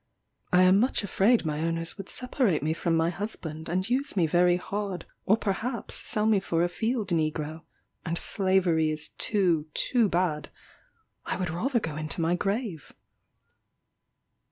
I am much afraid my owners would separate me from my husband, and use me very hard, or perhaps sell me for a field negro; and slavery is too too bad. I would rather go into my grave!"